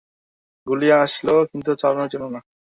গুলি আসল, কিন্তু চালানোর জন্য না।